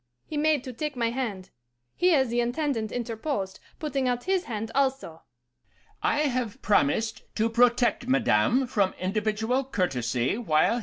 He made to take my hand. Here the Intendant interposed, putting out his hand also. 'I have promised to protect Madame from individual courtesy while here,' he said.